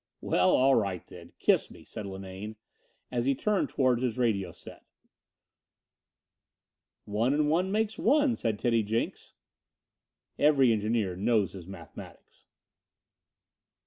"Well, all right then. Kiss me," said Linane as he turned towards his radio set. "One and one makes one," said Teddy Jenks. Every engineer knows his mathematics.